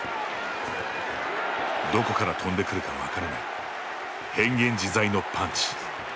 どこから飛んでくるか分からない変幻自在のパンチ。